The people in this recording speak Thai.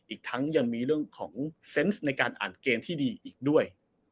อีกทั้งยังมีเรื่องของเซนต์ในการอ่านเกมที่ดีอีกด้วย